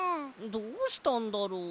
どうしたんだろう？